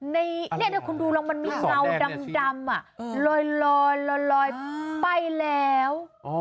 นี่ถ้าคุณดูแล้วมันมีเงาดำลอยไปแล้วอ๋อ